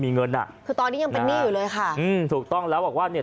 พอตอนนี้ยังเป็นหนี้อยู่เลยค่ะหือถูกต้องแล้วว่าเนี่ย